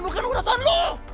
bukan urusan lo